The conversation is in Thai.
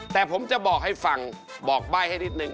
แต่ผมจะบอกให้ฟังบอกใบ้ให้นิดนึง